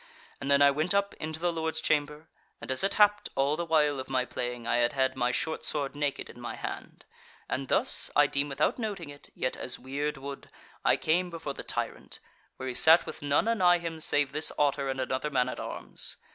And then I went up into the Lord's chamber; and as it happed, all the while of my playing I had had my short sword naked in my hand, and thus, I deem without noting it, yet as weird would, I came before the tyrant, where he sat with none anigh him save this Otter and another man at arms.